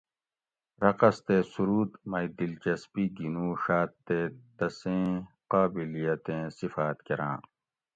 رقص تے سُرود) مئ دلچسپی گِنُوڛات تہ تسیں قابلیتیں صفاۤت کراۤں